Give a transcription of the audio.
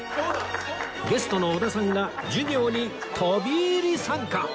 ゲストの織田さんが授業に飛び入り参加！